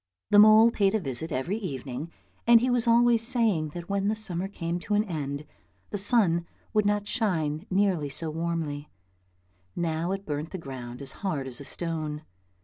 The mole paid a visit every evening, and he was always saying that when the summer came to an end, the sun would not shine nearly so warmly, now it burnt the ground as hard as a stone.